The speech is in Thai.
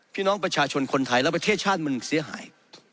พี่น้องประชาชนคนไทยและประเทศชาติมันเสียหาย